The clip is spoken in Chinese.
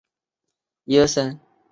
拉热伊翁。